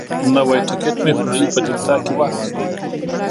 نوی ټکټ مې خوریي په ډیلټا کې واخیست.